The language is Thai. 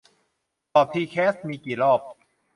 สอบทีแคสมีกี่รอบ